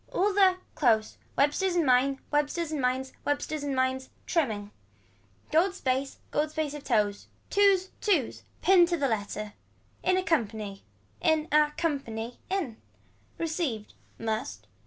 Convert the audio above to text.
All the, close. Websters and mines, websters and mines. Websters and mines. Trimming. Gold space gold space of toes. Twos, twos. Pinned to the letter. In accompany. In a company in. Received. Must.